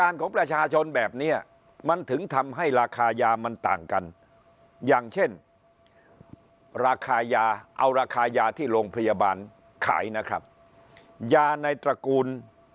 อย่างเช่นราคายาเอาราคายาที่โรงพยาบาลขายนะครับยาในตระกูล